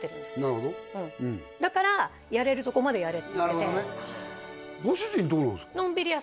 なるほどうんだからやれるところまでやれって言っててなるほどねご主人どうなんですか？